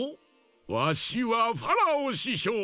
わしはファラオししょう！